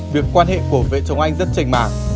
việc quan hệ của vợ chồng anh rất chảnh mảng